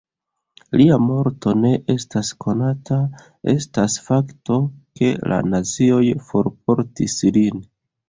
Lia morto ne estas konata, estas fakto, ke la nazioj forportis lin.